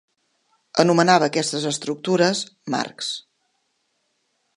Anomenava aquestes estructures "marcs".